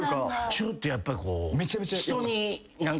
ちょっとやっぱりこう。